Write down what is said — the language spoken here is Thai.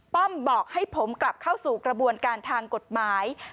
ป้อมบอกให้ผมกลับเข้าสู่กระบวนการทางกฎหมาย